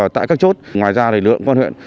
tại các chốt ngoài ra lực lượng quân huyện